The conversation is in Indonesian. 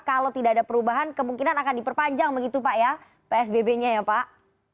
kalau tidak ada perubahan kemungkinan akan diperpanjang begitu pak ya psbb nya ya pak